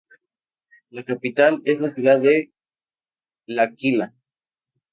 Su capital es la ciudad de L'Aquila.